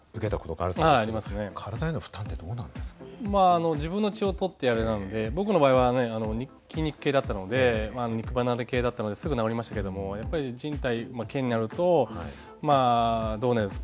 まああの自分の血を採ってやるものなので僕の場合は筋肉系だったので肉離れ系だったのですぐ治りましたけれどもやっぱりじん帯腱になるとどうなんですかね。